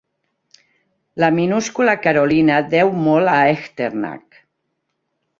La minúscula carolina deu molt a Echternach.